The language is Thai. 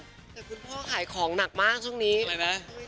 แต่คุณพ่อขายของหนักมากช่วงนี้อะไรไหม